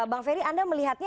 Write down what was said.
bang ferry anda melihatnya